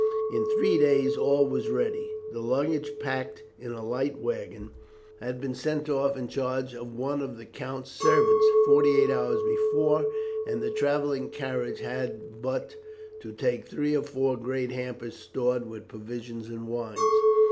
In three days all was ready. The luggage, packed in a light waggon, had been sent off in charge of one of the count's servants forty eight hours before; and the travelling carriage had but to take three or four great hampers stored with provisions and wines.